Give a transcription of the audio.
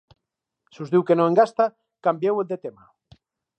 Si us diu que no en gasta, canvieu de tema.